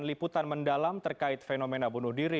liputan mendalam terkait fenomena bunuh diri